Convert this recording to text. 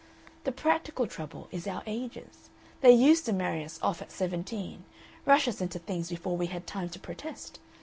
The practical trouble is our ages. They used to marry us off at seventeen, rush us into things before we had time to protest.